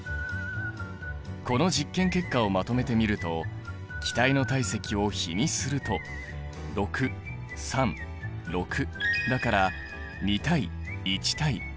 この実験結果をまとめてみると気体の体積を比にすると６３６だから２対１対２だ。